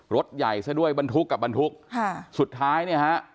รถใหญ่ซะด้วยบรรทุกกับบรรทุกค่ะสุดท้ายเนี่ยฮะ